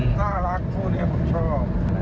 หน้ารักผู้นี้ผมชอบ